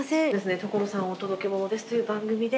『所さんお届けモノです！』という番組で。